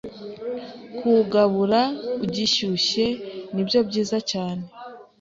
Kuwugabura ugishyushye nibyo byiza cyane.